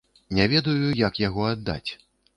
Не ведаю, як яго аддаць.